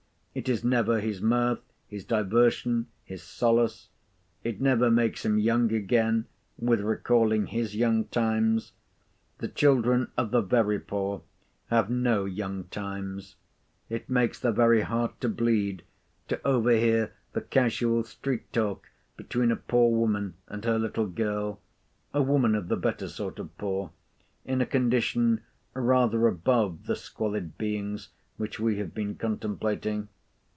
It is never his mirth, his diversion, his solace; it never makes him young again, with recalling his young times. The children of the very poor have no young times. It makes the very heart to bleed to overhear the casual street talk between a poor woman and her little girl, a woman of the better sort of poor, in a condition rather above the squalid beings which we have been contemplating.